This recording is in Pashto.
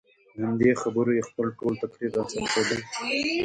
په همدې خبرو یې خپل ټول تقریر راڅرخېده.